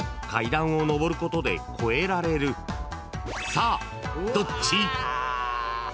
［さあどっち？］